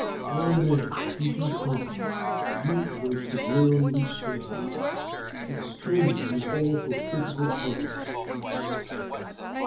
All men ate in common; youth was severely restrained; its training was all for physical hardihood.